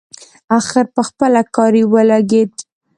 اخر پخپله کاري ولګېد.